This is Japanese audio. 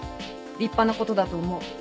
立派なことだと思う。